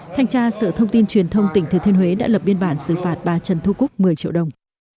thành tra sở thông tin truyền thông tp huế đã lập biên bản xử phạt bà trần thu cúc một mươi triệu đồng